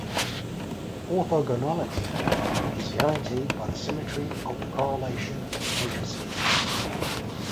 Orthogonality is guaranteed by the symmetry of the correlation matrices.